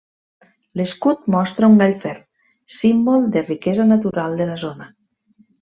L'escut mostra un gall fer, símbol de riquesa natural de la zona.